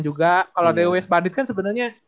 juga kalau dari us bandit kan sebenernya